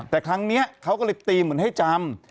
แต่ครั้งนี้เขาก็เลยตีเหมือนให้จำ